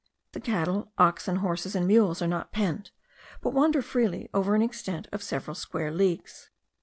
The cattle, oxen, horses, and mules are not penned, but wander freely over an extent of several square leagues.